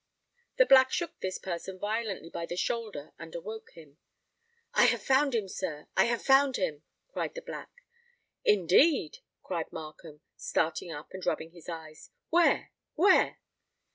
The Black shook this person violently by the shoulder, and awoke him. "I have found him, sir,—I have found him!" cried the Black. "Indeed!" cried Markham, starting up, and rubbing his eyes. "Where? where?"